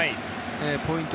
ポイント